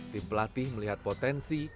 tim pelatih melihat potensi